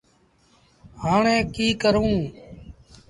هآي ڪيٚ ڪرون۔